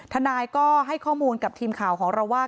ทนายก็ให้ข้อมูลกับทีมข่าวของเราว่า